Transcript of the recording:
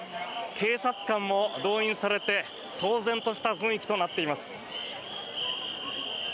警察官も動員されて騒然とした雰囲気となっています。